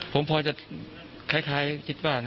ผมพอจะคล้ายคิดบ้าง